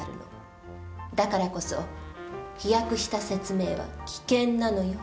だからこそ飛躍した説明は危険なのよ。